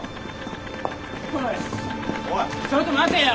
ちょっと待てよ。